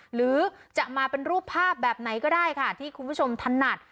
หรือจะมาเป็นรูปภาพแบบไหนก็ได้ค่ะที่คุณผู้ชมถนัด